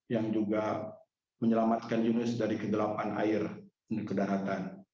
yang juga menyelamatkan yunus dari kedalaman air dan kedaratan